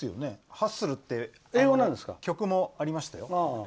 「ハッスル」っていう曲もありましたよ。